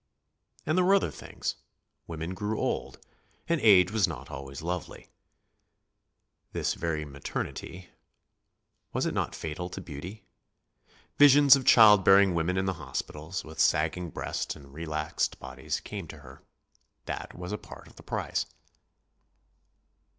And there were other things. Women grew old, and age was not always lovely. This very maternity was it not fatal to beauty? Visions of child bearing women in the hospitals, with sagging breasts and relaxed bodies, came to her. That was a part of the price.